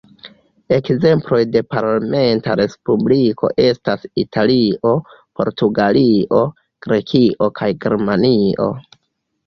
Ekzemploj de parlamenta respubliko estas Italio, Portugalio, Grekio kaj Germanio.